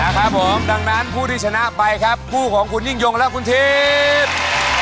ครับผมดังนั้นผู้ที่ชนะไปครับคู่ของคุณยิ่งยงและคุณทิพย์